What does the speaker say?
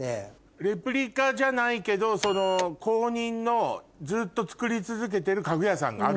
レプリカじゃないけど公認のずっと作り続けてる家具屋さんがあるのね。